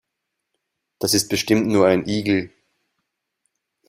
Das ist bestimmt nur ein Igel.